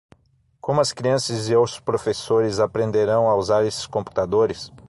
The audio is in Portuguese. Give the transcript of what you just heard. Como as crianças e os professores aprenderão a usar esses computadores?